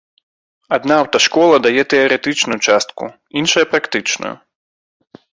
Адна аўташкола дае тэарэтычную частку, іншая практычную.